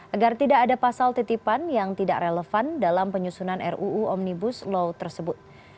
agar tidak ada pasal titipan yang tidak relevan dalam penyusunan ruu omnibus law tersebut